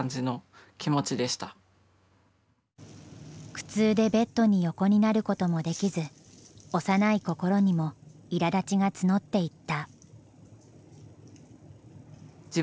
苦痛でベッドに横になることもできず幼い心にもいらだちが募っていった。